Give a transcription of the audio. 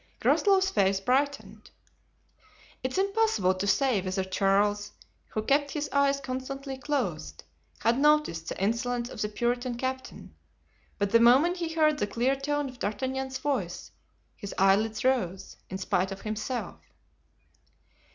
Groslow's face brightened. It is impossible to say whether Charles, who kept his eyes constantly closed, had noticed the insolence of the Puritan captain, but the moment he heard the clear tone of D'Artagnan's voice his eyelids rose, in spite of himself.